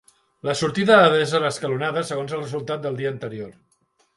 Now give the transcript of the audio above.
La sortida ha d'ésser escalonada segons el resultat del dia anterior.